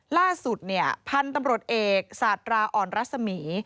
ล่าสุดเนี่ยพันธุ์ตำรวจเอกสาตราอ่อนรัศมี